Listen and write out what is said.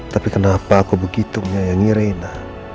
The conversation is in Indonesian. tapi kenapa aku begitu menyayangi reina